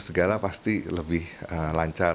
segala pasti lebih lancar